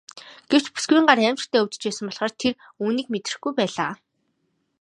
Гэвч бүсгүйн гар аймшигтай өвдөж байсан болохоор тэр үүнийг мэдрэхгүй байлаа.